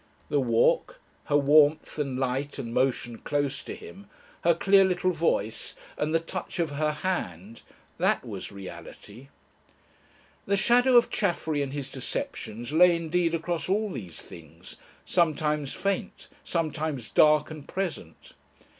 The walk, her warmth and light and motion close to him, her clear little voice, and the touch of her hand; that was reality. The shadow of Chaffery and his deceptions lay indeed across all these things, sometimes faint, sometimes dark and present.